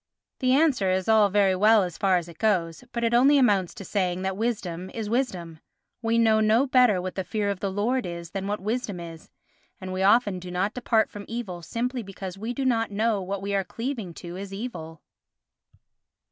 The answer is all very well as far as it goes, but it only amounts to saying that wisdom is wisdom. We know no better what the fear of the Lord is than what wisdom is, and we often do not depart from evil simply because we do not know that what we are cleaving to is evil.